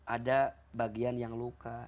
ada bagian yang luka